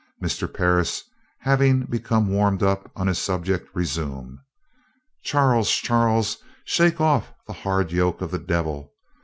Mr. Parris, having become warmed up on his subject, resumed: "Charles, Charles, shake off the hard yoke of the devil.